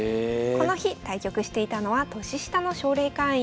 この日対局していたのは年下の奨励会員。